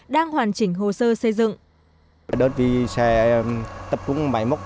đang hoàn chỉnh hồ sơ xây dựng